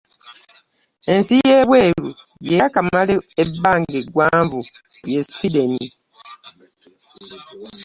Ensi y’ebweru gye yaakamalamu ebbanga eggwanvu ye Swedeni.